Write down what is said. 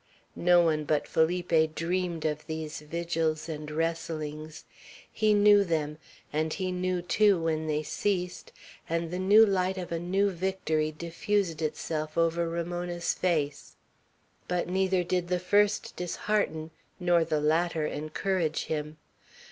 No one but Felipe dreamed of these vigils and wrestlings. He knew them; and he knew, too, when they ceased, and the new light of a new victory diffused itself over Ramona's face: but neither did the first dishearten, nor the latter encourage him.